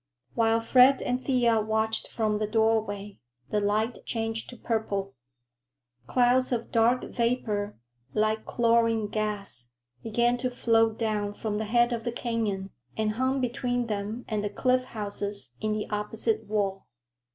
While Fred and Thea watched from the doorway, the light changed to purple. Clouds of dark vapor, like chlorine gas, began to float down from the head of the canyon and hung between them and the cliff houses in the opposite wall.